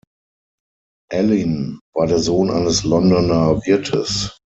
Alleyn war der Sohn eines Londoner Wirtes.